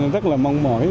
rất là mong mỏi